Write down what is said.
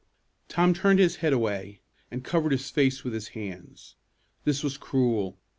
Tom turned his head away, and covered his face with his hands. This was cruel.